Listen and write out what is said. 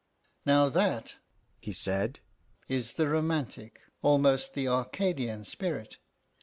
"Now that," he said, "is the romantic, almost the Arcadian spirit.